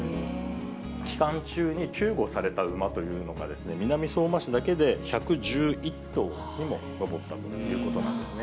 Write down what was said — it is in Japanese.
期間中に救護された馬というのが、南相馬市だけで１１１頭にも上ったということなんですね。